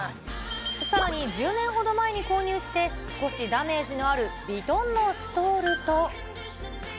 さらに、１０年ほど前に購入して、少しダメージのあるヴィトンのストールと。